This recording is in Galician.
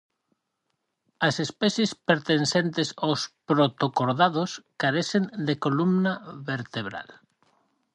As especies pertencentes aos protocordados carecen de columna vertebral.